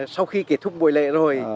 sau khi kết thúc buổi lễ rồi